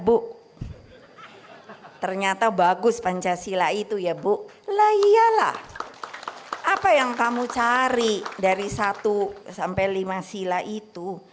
bu ternyata bagus pancasila itu ya bu lah iyalah apa yang kamu cari dari satu sampai lima sila itu